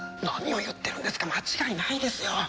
何を言ってるんですか間違いないですよ！